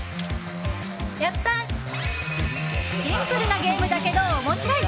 シンプルなゲームだけど面白い！